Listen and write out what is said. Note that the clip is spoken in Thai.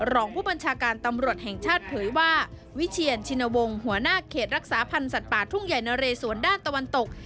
รองผู้บัญชาการตำรวจแห่งชาติเผยว่าวิเชียนชินวงศ์หัวหน้าเขตรักษาพันธ์สัตว์ป่าทุ่งใหญ่นะเรสวนด้านตะวันตก